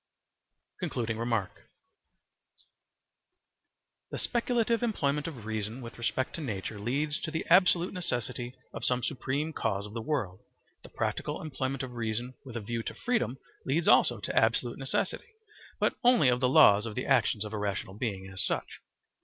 Concluding Remark The speculative employment of reason with respect to nature leads to the absolute necessity of some supreme cause of the world: the practical employment of reason with a view to freedom leads also to absolute necessity, but only of the laws of the actions of a rational being as such.